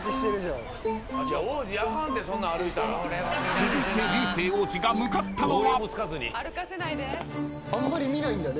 ［続いて流星王子が向かったのは］